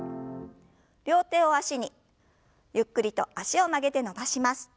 両手を脚にゆっくりと脚を曲げて伸ばします。